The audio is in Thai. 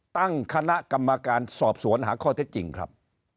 ตั้งคณะกรรมการสอบสวนหาข้อเท็จจริงครับ